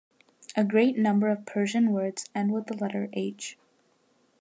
A great number of Persian words end with the letter "h".